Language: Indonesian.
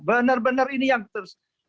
benar benar ini yang terus